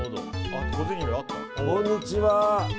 こんにちは。